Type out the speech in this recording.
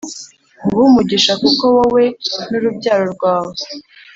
nguhe umugisha kuko wowe n urubyaro rwawe